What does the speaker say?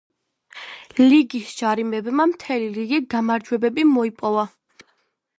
ლიგის ჯარებმა მთელი რიგი გამარჯვებები მოიპოვეს.